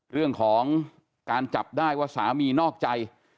เรื่องของการจับได้ว่าสามีนอกใจ